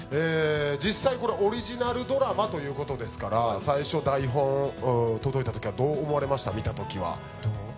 実際これオリジナルドラマということですから最初台本届いたときはどう思われました？